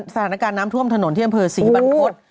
สถานการณ์น้ำท่วมถนนที่อำเภอศรีบรรพฤษ